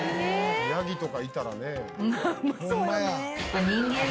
ヤギとかいたらねえ。